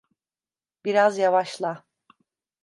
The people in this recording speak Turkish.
Biraz yavaşla.